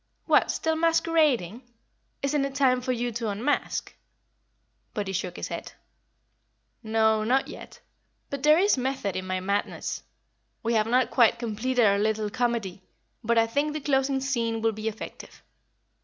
"What, still masquerading? Isn't it time for you to unmask?" But he shook his head. "No, not yet; but there is method in my madness. We have not quite completed our little comedy, but I think the closing scene will be effective."